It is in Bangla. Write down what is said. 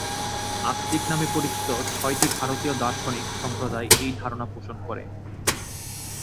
আস্তিক নামে পরিচিত ছয়টি ভারতীয় দার্শনিক সম্প্রদায় এই ধারণা পোষণ করে।